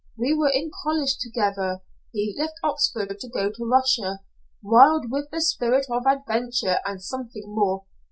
We were in college together. He left Oxford to go to Russia, wild with the spirit of adventure and something more.